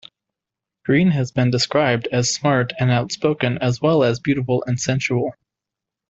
Greene has been described as smart and outspoken as well as beautiful and sensual.